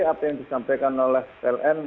apa yang disampaikan oleh pln